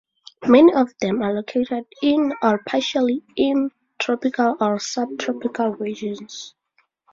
Many of them are located in, or partially in, tropical or subtropical regions.